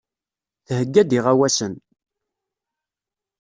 Theyya-d iɣawasen.